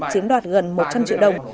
chiếm đoạt gần một trăm linh triệu đồng